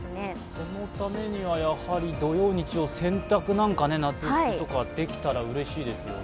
そのためには土曜、日曜、洗濯を夏服とかできたらうれしいですよね。